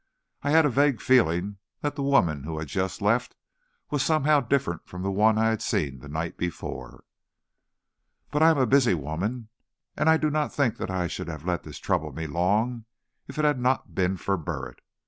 I had a vague feeling that the woman who had just left was somehow different from the one I had seen the night before. But I am a busy woman, and I do not think I should have let this trouble me long if it had not been for Burritt.